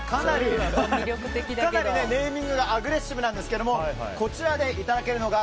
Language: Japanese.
ネーミングがかなりアグレッシブなんですけどこちらでいただけるのが。